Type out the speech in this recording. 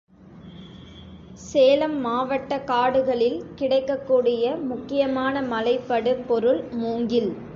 சேலம் மாவட்டக் காடுகளில் கிடைக்கக் கூடிய முக்கியமான மலைபடு பொருள் மூங்கில்.